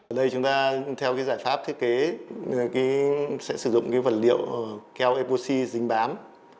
ở đây chúng ta theo cái giải pháp thiết kế sẽ sử dụng cái vật liệu keo epoc dính bám